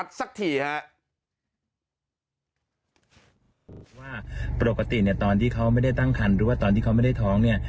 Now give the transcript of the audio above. แต่ตอนที่เขาไม่ได้ท้องเนี่ย